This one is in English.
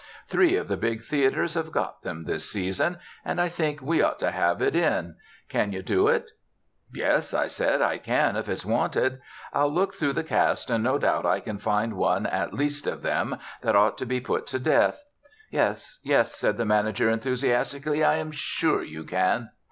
Three of the big theaters have got them this season, and I think we ought to have it in. Can you do it?" "Yes," I said, "I can, if it's wanted. I'll look through the cast, and no doubt I can find one at least of them that ought to be put to death." "Yes, yes," said the manager enthusiastically, "I am sure you can."